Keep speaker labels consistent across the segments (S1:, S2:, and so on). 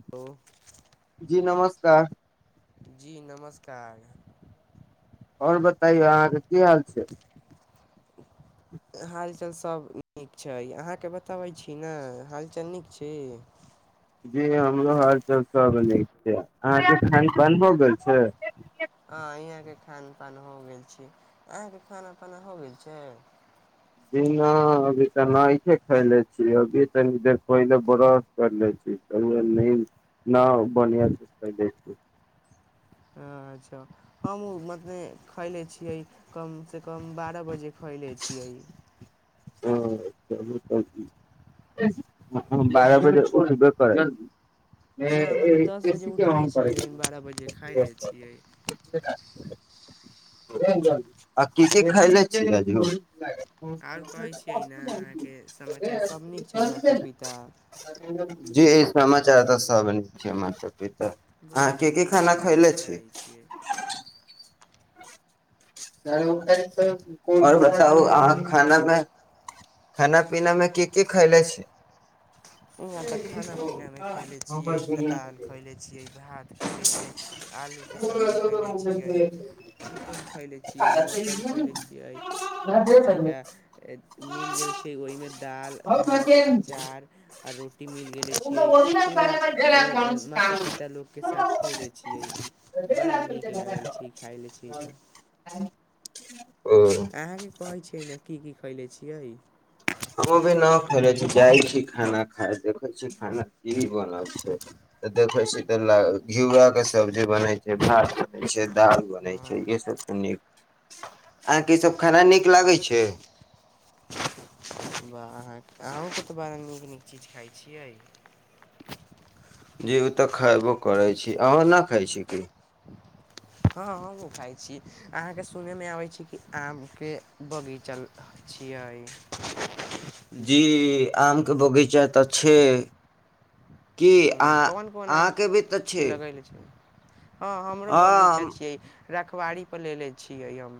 S1: [unintelligible]
S2: जी नमस्कार।
S1: जी नमस्कार।
S2: आओर बताइयौ अहाँके की हाल छै।
S1: हालचाल सभ नीक छै अहाँके बताबै छी न हालचाल नीक छी।
S2: जी हमरो हालचाल सब नीक छै अहाँके खान पान हो गेल छै।
S1: हँ इहाँके खान पान हो गेल छै अहाँके खाना ताना हो गेल छै।
S2: जी नहि अभी तऽ ने खैले छीय अभी तनी देर पहिले बड़स। कर ले छी न बढ़िया।
S1: अच्छा हम ओ मतने खैले छियै कमसँ कम बारह बजे। खैयले छियै।
S2: ओ च बारह बजे उठबे करे।
S1: नहि मने दस बजे
S2: एसी
S1: उठले
S2: केन
S1: छियै
S2: कर।
S1: लेकिन बारह बजे खाय ले छियै
S2: [unintelligible] आ कीसी खयले चल गेलीयो।
S1: आओर कहै छियै ने अहाँके समाचार सब नीक छै माता पिता
S2: [unintelligible] जी समाचार तऽ सब बन छै माता पिता। अहाँ
S1: बस
S2: के के
S1: नीक
S2: खाना
S1: रहैके
S2: खयले छी?
S1: चाहै छियै
S2: ओर
S1: हँ आओर
S2: बताउ
S1: बोलै
S2: अहाँ
S1: छी
S2: खानामे खाना-पीना मे की की खयले छी।
S1: यहाँ तऽ खाना-पीना में खयले छियै दाल खयले छियै भात खैले छियै आलूके सब्जी खैले छियै। चिकन खैले छियै मटन खैले छियै कतैका ए मिल गेल छै ओहिमे दाल भात अँचार। आ रोटी मिल गेले छियै पूरा ए-ए माता पिता लोकके साथ खैले छियै। बड़ा नीक लागल छी खाय ल छी तऽ।
S2: [unintelligible] ओ
S1: अहाँके कहै छियै ने की की खैले छियै।
S2: हम भी नऽ खैले छी जाइ छी खाना खाय देखै छी खाना ई बनल छै त देखे छी त लऽ घिआरा के सब्जी बने भात बनै छै दाल बनै छै
S1: हँ
S2: इे सब त नीक। अहाँ के इ सब खाना नीक लागै छै।
S1: वाह अहाँ अहूँके तऽ बारा नीक-नीक चीज खाइ छियै।
S2: जी ओ तऽ खेबो करै छी अहाँ न खाय छी की?
S1: हँ हमहूँ खाइ छी अहाँके सुनेमे आबै छै कि आमके बगीचा छियइ।
S2: जी आमके बगीचा तऽ छैे। की अहाँ
S1: कोन कोन आम
S2: अहाँके भी तऽ छै।
S1: लगैले हँ हमरो बगीचा
S2: हँ
S1: छियै रखवारीपर लेलेे छियै हम।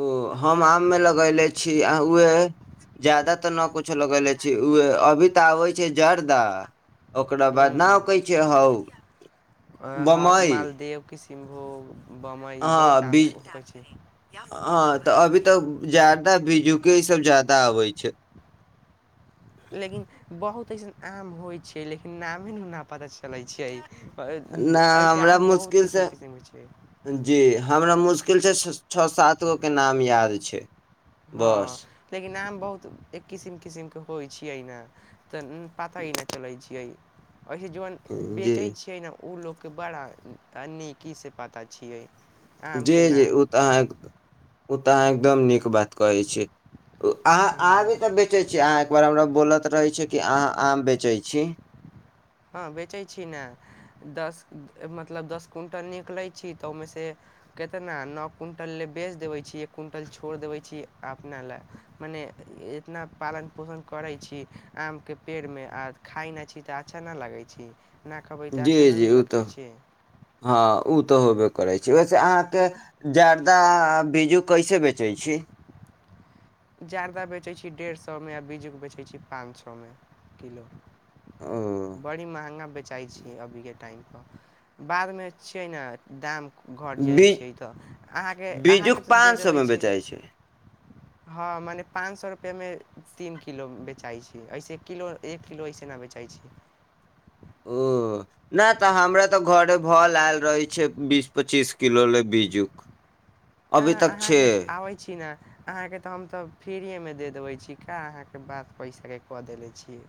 S2: ओ हम आममे लगयले छी आ उएह ज्यादा तऽ न कुछो लगेले छी उहे अभी तऽ आबै छै जरदा। ओकरा बाद नाव कहै छै हउ
S1: ह मालदेव किसमभोग।
S2: हँ बी हँ तऽ अभी तक ज्यादा बिजू के ई सब जादा अबै छै।
S1: लेकिन बहुत अइसन आम होइ छै लेकिन नामे न हमरा पता चलै छियै। पर
S2: न
S1: ऐसे
S2: हमरा
S1: आम बहुत
S2: मुश्किल से
S1: किसिम किसिमके छै।
S2: जी हमरा मुश्किल स छऽ सात गो के नाम याद छै। बस
S1: हँ लेकिन आम बहुत एक किसिम किसिमके होइ छियै यैन। तन पता ही न चलै छियै एहि जुअन
S2: जी
S1: बेचै छियै न उ लोकके बड़ा अ नीकी से पता छियै।
S2: जी
S1: आमके
S2: जी
S1: नाम
S2: ओ तऽ अहाँके उ तऽ अहाँ एकदम नीक बात कहै छियै अहा अहाँ
S1: हम्म।
S2: भी तऽ बेचै छियै अहाँ ओ बरा हमरा बोलत रहै छै कि अहाँ आम बेचै छी।
S1: हँ बेचै छी ने दस मतलब दस कुंटल निकलै छी तऽ ओहिमे से। केतना नो कुणटल लए बेच देबै छी एक कुंटल छोड़ देबै छी अपना लए। मने इतना पालन पोषण करै छी आमके पेड़मे आ खाइ न छी तऽ अच्छा न लगै छि।
S2: जी जी उ तऽ हँ उ तऽ
S1: हूँ,
S2: होबे करे वैसे अहाँके जर्दा आ बीजू कैसे बेचै छी?
S1: जर्दा बेचै छी डेढ़ सौ मे आ बीजु बेचै छी पाँन सौ मे किलो।
S2: ओ
S1: बड़ी महँगा बेचाइ छियै अभी के टाइम प बादमे छियै ने। दाम घट जाइ
S2: बी
S1: छै तऽ अहाँके-
S2: बीजू
S1: अहाँके तऽ
S2: पाँच
S1: देऽ
S2: सए
S1: देबै
S2: मे
S1: छै।
S2: बेचाइ
S1: हँ मने पान सौ रुपये मे तीन किलो बेचाइ छी अइसे एक किलो एक किलो अइसे न बेचइ छी। हँ
S2: नै तऽ हमरा तऽ घरे भल आयल रहइ छै बीस पचीस किलो ले बीजुक।
S1: अहाँ - अहाँके त आबै छी ने अहाँके तऽ हम तऽ फ्रीएमे देऽ देबै छी कहाँ अहाँक बात पैसाके कऽ देेले छी।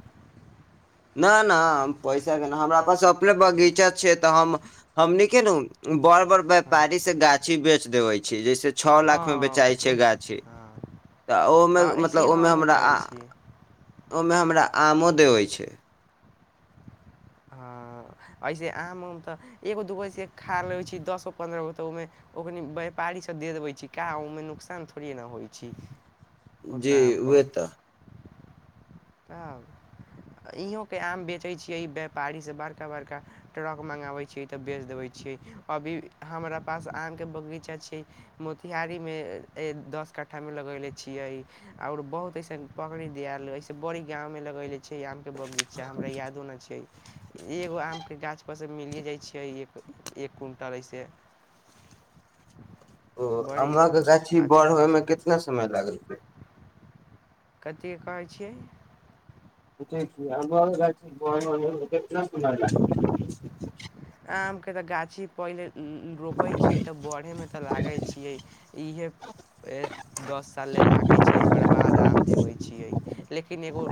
S2: नऽ नऽ हम पैसा के न हमरा पास अपने बगीचा छै तऽ हम हमनी के नु बड़ - बड़
S1: हँ
S2: व्यापारी से गाछी बेच देबइ छी जैसे छ‌ऽ
S1: हँ
S2: लाख मे बेचाइ छै
S1: ओहि
S2: गाछी
S1: हँ
S2: तऽ ओ मे
S1: हँ ऐसे
S2: मतलब ओम्मे
S1: हमहूँ
S2: हमरा
S1: करै छियै
S2: ओम्मे हमरा आमो देबइ छै।
S1: हँ अइसे आम हम तऽ एगो दूगो से खा लेबै छी दस गो पन्द्रह गो तऽ ओमे ओखनी व्यापारी सब दे देबै छी का ओउमे नुकसान थोड़िये न होइ छी
S2: जी
S1: ओतना आम पऽ।
S2: उहे तऽ
S1: तब इहों के आम बेचै छियै व्यापारी से बड़का- बड़का ट्रक मङ्गाबै छियै तऽ बेच देबै छियै अभी हमरा पास आम के बगीचा छै। मोतिहारी मे दस कट्ठा में लगैले छीयइ और बहुत अइसन पकड़ी दियाल बड़ी गाँव मे लगैले छी आम के बगीचा हमरा यादो न छै। एगो आम के गाछ पर सँ मिलिये जाइ छय एक, एक क्विंटल अइसे।
S2: ओ
S1: बड़ी
S2: आमक गाछी
S1: अच्छा
S2: बढ़य
S1: होइ
S2: मे
S1: छै
S2: कितना समय लागय छै।
S1: कथी कहै छियै?
S2: पुछय छी आमक गाछी बढ़ऽ मे कितना समय लागय छै।
S1: आमके तऽ गाछी पहिले रोपै छियै तऽ बढ़ै मे तऽ लागै छियै इएहे ए दस साले लागै छै ओकर बाद आम देबै छियै लेकिन एगो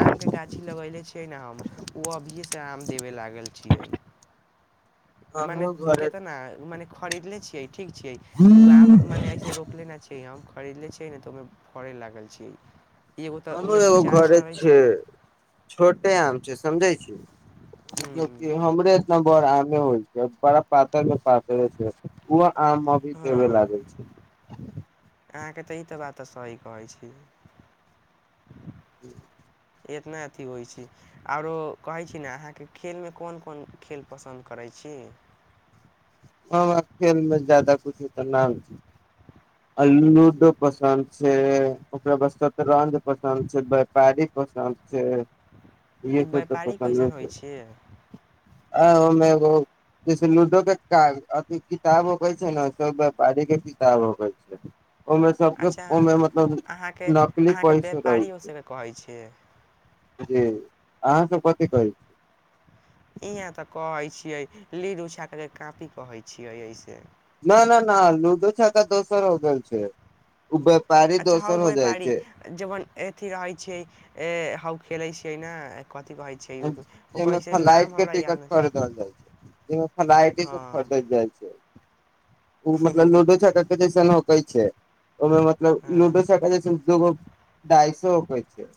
S1: आमके गाछी लगैले छियै ने हम ओ अभिये से आम देबे लागल छियइ। मने
S2: हमरो घरे
S1: केतना मने खरीदले छियै ठीक छियै ओ आम मने अइसे रोक लेने छियै हम खरीदले छियै ने त ओमे फड़ै लागल छियै एगो तऽ
S2: हमरो
S1: ओमे दू
S2: एगो
S1: चार गो
S2: घरे
S1: रहै छै।
S2: छोटे आम छै समझै छी
S1: ह
S2: कियाकि हमरे बड़ आमे होइ छै बड़ा पातर मे प ओ आम अभी देबे लागै
S1: हँ
S2: छै।
S1: अहाँके तऽ ई तऽ बात तऽ सही कहै छी।
S2: हूँ
S1: एतना अथी होइ छी। आरो कहै छी ने अहाँके खेल मे कोन - कोन खेल पसन्द करै छी?
S2: हम आब खेल मे ज्यादा कुछो त ना आ लूडो पसन्द छै ओकरा बाद शतरंज पसन्द छै वैपारिक पसंद छै [unintelligible]
S1: ई
S2: छै त
S1: व्यापारी कैसन
S2: पसंदे
S1: होइ
S2: छै।
S1: छी
S2: आ इहो मे एगो जैसे लूडो के एकटा अथि काग- किताब अबै छै ने सब व्यापारी के किताब अबै छै। ओइमे सबके
S1: अच्छा
S2: ओइमे मतलब
S1: अहाँके
S2: नकली
S1: अहाँके
S2: पइस रहै
S1: व्यापारियो
S2: छै।
S1: सभके कहै छियै
S2: जी अहाँ सब कथी कहै
S1: इहाँ तऽ कहै छियै लीडो छापै के कॉपी कहै छियै अइसे।
S2: न -न -न लूडो छका दोसर हो गेल छै, व्यापारी दोसर हो जाइ छै।
S1: जेमन एथी रहै छियै हउ खेलै छियै ने कथी कहै छै,
S2: जैमे फलाइट के टिकट
S1: नहि
S2: पर द जाइ छै। ऐमे
S1: छै
S2: फलाइटेके फटै जाइ छै। ओ मतलब
S1: हँ
S2: लूडो छका के जैसन होकै छै, ओहिमे मतलब
S1: हँ
S2: लूडो छक्का जैसन दूगो आइ सोपै छै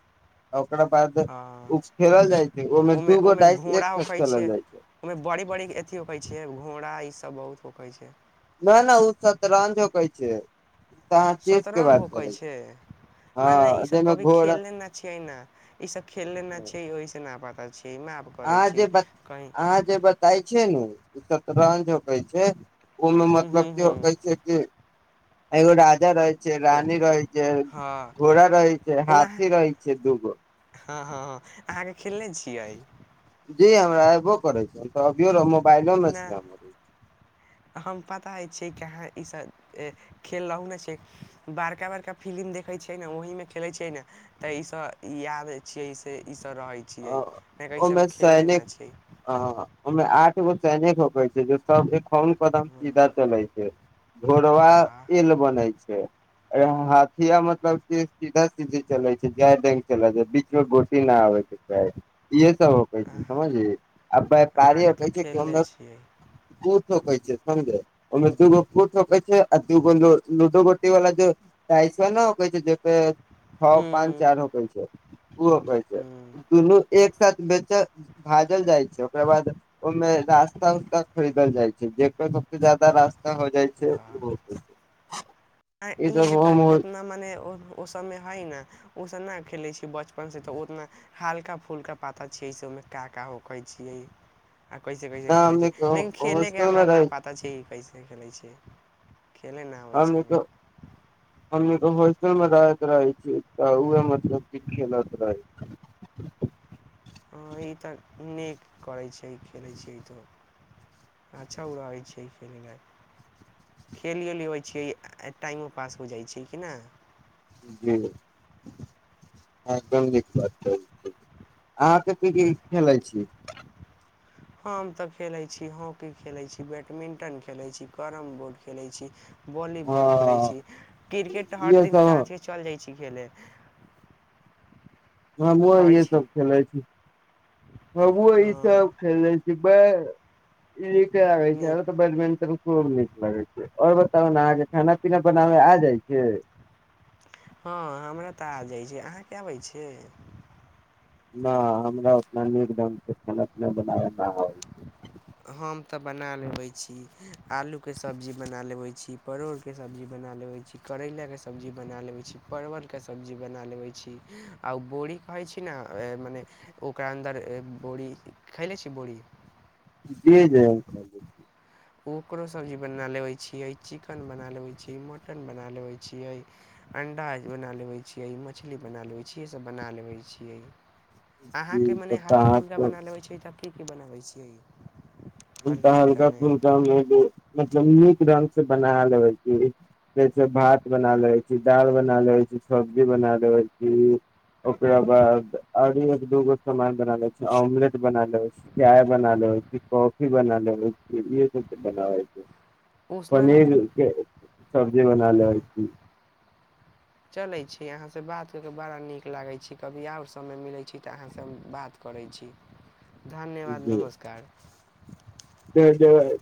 S2: ओकरा बाद
S1: हँ
S2: उ खेलल जाइ छै। ओहिमे
S1: ओमे
S2: दूगो
S1: -ओमे
S2: डाइस एक
S1: घोड़ा
S2: साथ
S1: उखै
S2: खेलल
S1: छै।
S2: जाइ
S1: ओमे बड़ी - बड़ी अथी होइ छै घोड़ा ई सभ बहुत होकै छै।
S2: न - न ओ सतरंज होकै छै, अहाँ चेस के
S1: सतरङ्ग
S2: बात
S1: होकै
S2: करै छी
S1: छै, मने
S2: हँ
S1: ईस सभ
S2: जाहिमे
S1: कभी
S2: घोड़ा
S1: खेलने ना छियै ना, इ सब खेलने ना छी ओहिस न पता छी न आब
S2: अहाँ जे बता, अहाँ जे बता ताइ छै नू सतरंज होकै छै, ओमे
S1: हूँ हूँ
S2: मतलब के
S1: हूँ
S2: कहै छै कि, एगो राजा रहै छै,
S1: ओ
S2: रानी रहै छै,
S1: हँ
S2: घोड़ा रहै छै,
S1: ओ अहाँ
S2: हाथी रहै छै, दूगो।
S1: हँ - हँ अहाँके खेलने छियै।
S2: जी हमरा एबो करे छै, हम त अभियो मोबाइलो मे
S1: ना
S2: छी हमर
S1: [inaudible] हम पता अइ छै, अहाँ ई सभ खेलनहूँ नै छिअइ बड़का - बड़का फिलिम देखै छियै ने ओही मे खेलै छै ने त ई सब आबै छियै सै ई सब रहै छै, छियै नै त ई सब हम खेलने ना छिअइ।
S2: ह अमे आठ एगो सैनिक होकै छै, सब एकहुन कदम सीधा चलै छै, घोरबा
S1: वाह
S2: ऐल बनै छै। अरे हं हाथिया मतलब के सीधा सीधे चले छै, जाय डेग चलै छै बीच में गोटी न आबे के चाही ईहे सब होकै छै, समझलही आ बैपारी
S1: अहाँके तऽ
S2: आबै छै
S1: खेलले
S2: हमे
S1: छियै
S2: [unintelligible] ओहिमे दूगो फूट होकै छै, आ दूगो लू लूडो गोटी वाला टाइस ने होकै छै, से छओ पाँच
S1: ह्म
S2: चार होकै छै, उ होकै
S1: ह्म
S2: छै,
S1: ह्म
S2: दुनू एक साथ बेच भादल जाइ छै, ओकरा बाद ओइमें रास्ता उस्ता खरीदल जाइ छै। जेकर सबसं जादा रास्ता हो जाइ छै,
S1: वाह
S2: ओ ई सब
S1: इहाँके त
S2: हम
S1: इतना मने ओ सबमे हइ न ओ सब नं खेलै छी बचपनसे‌ त ओतना हाल्का फूलका पाता छियै से ओहिमे का - का होखै छियै। आ कैसे - कैसे खेले छी
S2: हमनी के
S1: लेकिन खेले के
S2: हॉस्टल मे
S1: हमरा न
S2: रह
S1: पता पता छै कैसे खेलै छिअइ खेलै नै आबै छै हमरा
S2: हमनीके होस्टल मे रहैत रहै छिअइ त उहे मतलब की खेलत रहे,
S1: [inaudible] हँ ई त नीक करै छिअइ खेलै छिअइ त, अच्छा ऊ रहय छै खेलइ मे। खेलिओ लेबै छियै आ टाइमो पास हो जाइ छै कि ना
S2: अहाँ एकदम नीक बात कहय छियै अहाँके की - की खेलाई छिअइ
S1: हम त खेलै छी, हॉकी खेलै छी, बैडमिंटन खेलै छी, कैरम बोर्ड खेलै छी, वॉलीबॉल खेलै
S2: हँ
S1: छी, क्रिकेट त हर
S2: इहे
S1: दिन
S2: सब
S1: सांझे चल जाइ छी, खेलय
S2: हमहु
S1: कहै
S2: इहे
S1: छी
S2: सब खेलो छी हम इ
S1: हँ
S2: सब खेलै छी। कि बै ई एकरा आबय छै,
S1: नीक
S2: हमरा तै बैडमिंटन खुब नीक लगै छै और बताउ नै अहाँके खाना-पीना बनाबे आ जाइ छै।
S1: हां हमरा त आ जाइ छै, अहाँके आबै छै?
S2: ना हमरा उतना नीक ढंग से खाना-पीना बनाबै नै आबे छै।
S1: हम त बना लेबै छी, आलूके सब्जी बना लेबै छी। परोड़के सब्जी बना लेबै छी, करेलाके सब्जी बना लेबै छी, परवलके सब्जी बना लेबै छी। आ उ बोरी कहै छी नै ए मने ओकरा अन्दर ए बोरी खयलै छीयै बोरी?
S2: जी-जी।
S1: ओकरो सब्जी बना लेबै छियै, चिकेन बना लबै छियै, मटन बना लेबै छियै। अण्डा के बना लेबै छियै, मछली बना लेबै छियै, इहे सब बना लेबै छियै। अहाँ
S2: जी
S1: के मने
S2: तब तऽ
S1: हल्का-फुल्का
S2: अहाँ
S1: बना लेबै छीयै तऽ की-की बनाबै छियै।
S2: हम
S1: हल्के
S2: तै
S1: फुल्कामे
S2: हल्का-फुल्का मे जे मतलब नीक ढंग से बना लेबे छीयै। जैसे भात बना लै छी, दाल बना लेैबे छी, सब्जी बना लेैबे छी। ओकरा बाद अभी एक दूगो सामान बना लै छीयै, ऑमलेट बना लेबै छी। चाय बना लेबै छीयै, को फी बना लेबै छीयै, ईहे सब तऽ बनाबै छीयै,
S1: उसनल
S2: पनीर के सब्जी बना लेबै छी।
S1: चलय छी अहाँ से बात करके बड़ा नीक लागै छै कभी और समय मिलय छै तऽ अहाँ से हम बात करय छी। धन्यवाद, नमस्कार।
S2: नमस्कार।